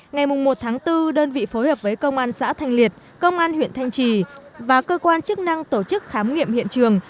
ngày một tháng bốn đơn vị phối hợp với công an xã thanh liệt công an huyện thanh trì và cơ quan chức năng tổ chức khám nghiệm hiện trường